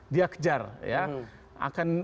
dia kejar akan